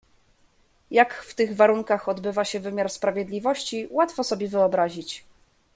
"Jak w tych warunkach odbywa się wymiar sprawiedliwości łatwo sobie wyobrazić."